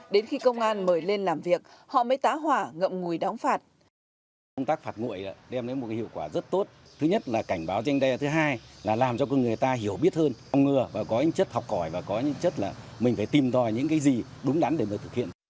đến khi công an mời lên làm việc họ mới tá hỏa ngậm ngùi đóng phạt